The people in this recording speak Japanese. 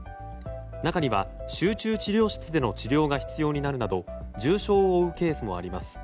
中には集中治療室での治療が必要になるなど重傷を負うケースもあります。